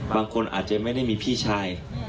บางคนอาจจะไม่ได้มีพี่ชาย